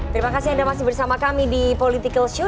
terima kasih anda masih bersama kami di political show